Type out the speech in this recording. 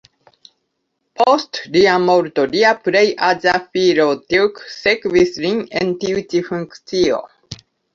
Post lia morto lia plej aĝa filo, Dirk, sekvis lin en tiu ĉi funkcio.